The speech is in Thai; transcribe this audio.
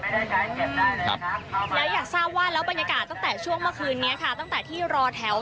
บรรยากาศตั้งแต่ช่วงเมื่อคืนนี้ค่ะตั้งแต่ที่รอแถว